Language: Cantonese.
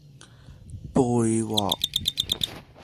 孭鑊